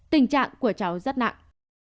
tình trạng của cháu rất nặng